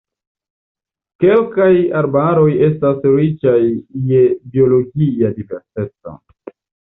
Kelkaj arbaroj estas riĉaj je biologia diverseco.